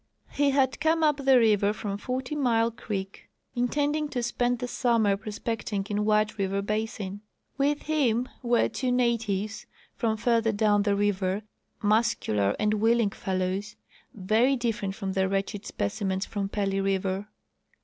He had come up the river from Forty mile creek, intending to spend the summer prospecting in White River basin. With him were two natives from further down the river, muscular and willing fellows, very different from the wretched specimens from Pelly river.